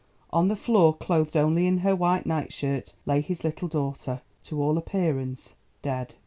On the floor, clothed only in her white night shirt, lay his little daughter, to all appearance dead.